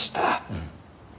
うん。